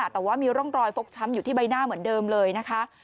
แต่ว่ามีร่องรอยฟกช้ำอยู่ที่ใบหน้าเหมือนเดิมเลยนะคะ